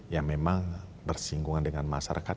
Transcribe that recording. yang memang bersinggungan dengan masyarakat